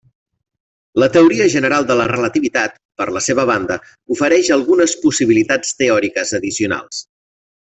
La teoria general de la relativitat, per la seva banda, ofereix algunes possibilitats teòriques addicionals.